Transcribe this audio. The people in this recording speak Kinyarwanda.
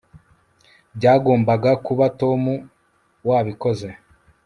byagombaga kuba tom wabikoze